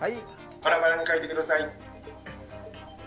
バラバラに書いて下さい。